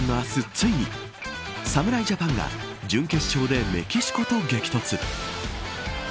ついに侍ジャパンが準決勝でメキシコと激突。